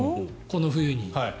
この冬に。